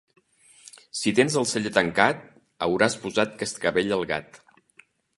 Si tens el celler tancat, hauràs posat cascavell al gat.